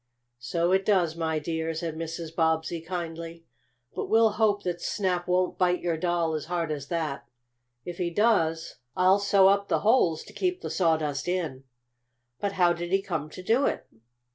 "So it does, my dear," said Mrs. Bobbsey kindly. "But we'll hope that Snap won't bite your doll as hard as that. If he does I'll sew up the holes to keep the sawdust in. But how did he come to do it?"